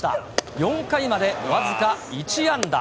４回まで僅か１安打。